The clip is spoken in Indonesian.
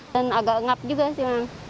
dan agak ngap juga sih man